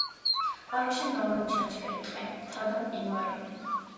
პარკში მრავალი ჩანჩქერი, ტყე, მთა და მყინვარია.